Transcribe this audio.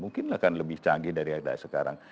mungkin akan lebih canggih dari sekarang